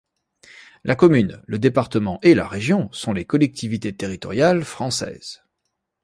La commune, le département et la région sont les collectivités territoriales françaises.